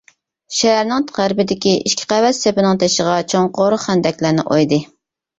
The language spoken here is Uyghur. شەھەرنىڭ غەربىدىكى ئىككى قەۋەت سېپىنىڭ تېشىغا چوڭقۇر خەندەكلەرنى ئويدى.